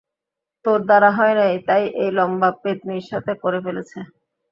তোর দ্বারা হয় নাই তাই এই লম্বা পেত্নির সাথে করে ফেলেছে।